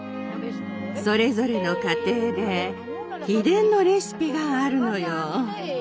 それぞれの家庭で秘伝のレシピがあるのよ。